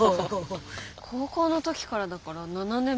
高校の時からだから７年ぶりとか？